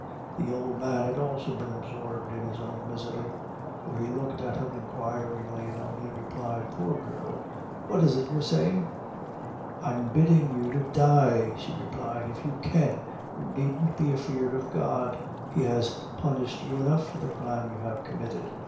The old man had also been absorbed in, his own misery; for he looked at her inquiringly, and only replied, "Poor girl, what is it you're saying?" "I'm biddin' you to die," she replied, "if you can, you needn't be afeard of God he has punished you enough for the crime you have committed.